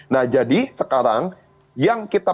nah jadi sekarang yang kita